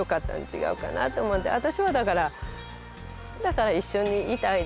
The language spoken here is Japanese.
私はだから。